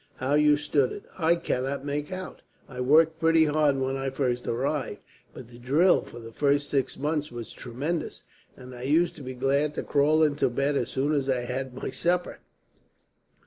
How you stood it, I cannot make out. I worked pretty hard when I first arrived; but the drill for the first six months was tremendous, and I used to be glad to crawl into bed, as soon as I had had my supper.